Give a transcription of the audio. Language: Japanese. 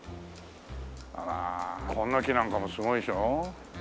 あらこんな木なんかもすごいでしょ？